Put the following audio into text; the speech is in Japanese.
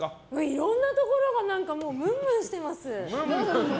いろんなところがムンムンしてます。